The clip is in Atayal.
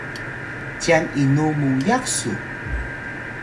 cyan inu muyax su?